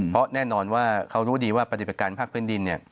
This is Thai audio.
เพราะแน่นอนว่าเขารู้ดีว่าปฏิบัติการภาคพื้นดิน